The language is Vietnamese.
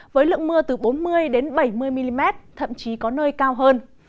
với lượng mưa từ bốn mươi bảy mươi mm thậm chí có nơi cao hơn